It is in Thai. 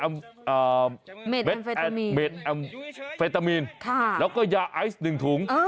เม็ดแอมเฟตามีนแล้วก็ยาไอซ์๑ถุง